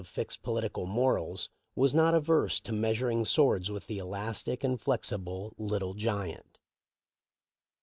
405 fixed political morals," was not averse to measuring swords with the elastic and flexible "Little Giant."